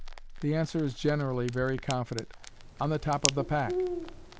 The answer is generally very confident, " On the top of the pack."